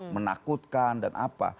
menakutkan dan apa